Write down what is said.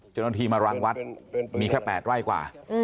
จนทีมารังวัดมีแค่แปดไร่กว่า